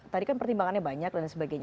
tadi kan pertimbangannya banyak dan sebagainya